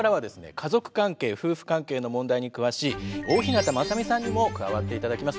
家族関係夫婦関係の問題に詳しい大日向雅美さんにも加わって頂きます。